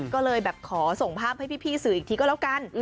ก็เลยแบบขอส่งภาพให้พี่สื่ออีกทีก็แล้วกัน